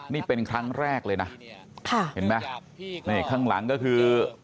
นี่เป็นครั้งแรกเลยนะค่ะเห็นไหมนี่ข้างหลังก็คือ